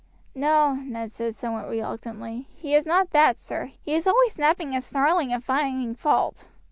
"No," Ned said somewhat reluctantly; "he is not that, sir; he is always snapping and snarling and finding fault."